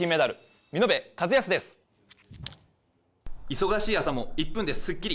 忙しい朝も１分ですっきり。